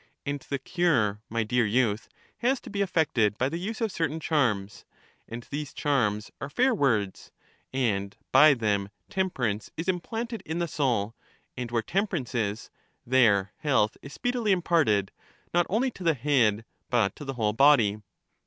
And the cure, rny dear youth, has to be effected by the use of certain charms, and these charms are fair words; and by them temperance is implanted in the soul, and where temperance is, there health is speedily imparted, not only to the head, but to the whole body.